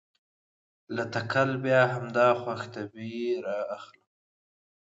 له تکل بیا همدا خوش طبعي رااخلي.